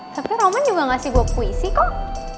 tapi roman juga ngasih bawa puisi kok